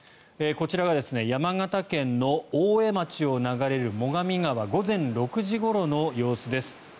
こちらが山形県の大江町を流れる最上川午前６時ごろの様子です。